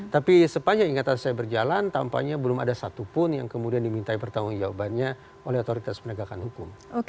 tapi sepanjang ingatan saya berjalan tampaknya belum ada satupun yang kemudian dimintai pertanggung jawabannya oleh otoritas penegakan hukum